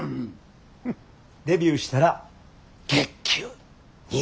デビューしたら月給２０円や。